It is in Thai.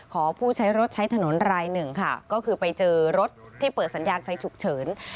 ผู้ใช้รถใช้ถนนรายหนึ่งค่ะก็คือไปเจอรถที่เปิดสัญญาณไฟฉุกเฉิน